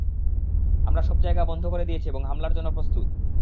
আমরা সবজায়গা বন্ধ করে দিয়েছি এবং হামলার জন্য প্রস্তুত।